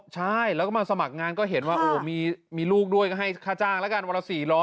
ใช่แล้วก็มาสมัครงานก็เห็นว่ามีลูกด้วยก็ให้ค่าจ้างแล้วกันวันละ๔๐๐